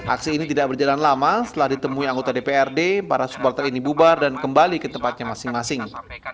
aksi ini tidak berjalan lama setelah ditemui anggota dprd para supporter ini bubar dan kembali ke tempatnya masing masing